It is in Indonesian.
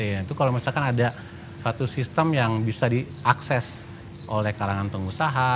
itu kalau misalkan ada suatu sistem yang bisa diakses oleh kalangan pengusaha